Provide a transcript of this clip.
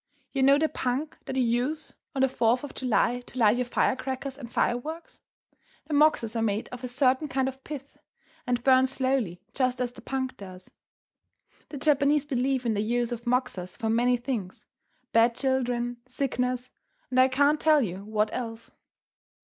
You know the punk that you use on the Fourth of July to light your firecrackers and fireworks? The moxas are made of a certain kind of pith, and burn slowly just as the punk does. The Japanese believe in the use of moxas for many things, bad children, sickness, and I can't tell you what else.